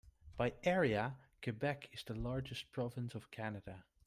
By area, Quebec is the largest province of Canada.